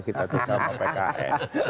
kita tuh sama pks